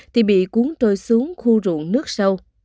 thì bị cuốn trôi xuống khu ruộng nước sâu